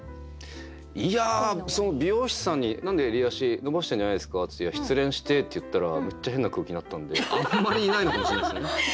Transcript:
いや美容師さんに「何で襟足伸ばしてるんじゃないですか？」って「失恋して」って言ったらめっちゃ変な空気になったんであんまりいないのかもしれないですよね。